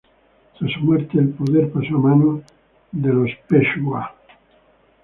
Tras su muerte, el poder pasó a manos de los peshwa.